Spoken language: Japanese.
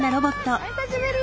お久しぶり！